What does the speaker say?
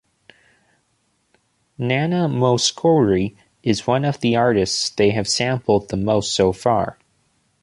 Nana Mouskouri is one of the artists they have sampled the most so far.